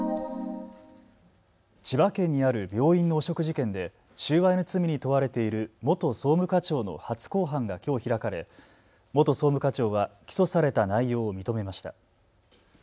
千葉県にある病院の汚職事件で収賄の罪に問われている元総務課長の初公判がきょう開かれ、元総務課長は起訴された内容を認めました。